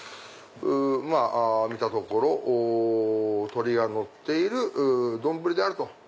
まぁ見たところ鶏がのっている丼であると。